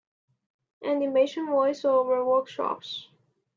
Animation Voice-over Workshops.